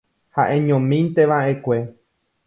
Ha'eñomínteva'ekue.